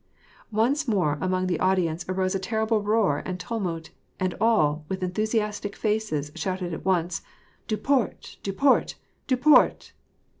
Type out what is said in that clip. Once more among the audience arose a terrible roar and tumult, and all, with enthusiastic faces, shouted at once, " Du port ! Duport ! Duport